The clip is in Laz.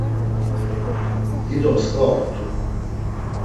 Dido msǩva ort̆u.